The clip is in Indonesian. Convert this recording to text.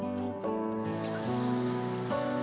pengen usual seperti ini